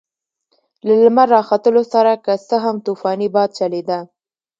له لمر راختلو سره که څه هم طوفاني باد چلېده.